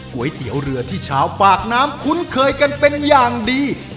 ก๋วยเตี๋ยวเรือที่ชาวปากน้ำคุ้นเคยกันเป็นอย่างดี